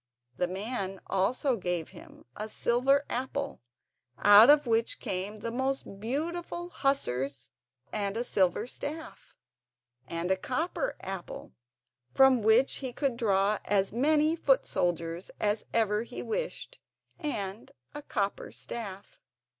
The old man also gave him a silver apple out of which came the most beautiful hussars and a silver staff; and a copper apple from which he could draw as many foot soldiers as ever he wished, and a copper staff.